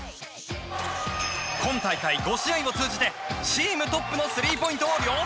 今大会５試合を通じてチームトップのスリーポイントを量産。